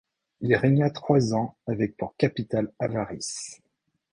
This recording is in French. Il régna trois ans avec pour capitale Avaris.